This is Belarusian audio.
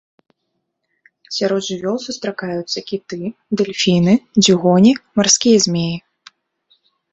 Сярод жывёл сустракаюцца кіты, дэльфіны, дзюгоні, марскія змеі.